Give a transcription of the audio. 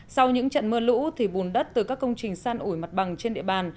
sau những trận mưa lũ thì bùn đất từ các công trình san ủi mặt bằng trên địa bàn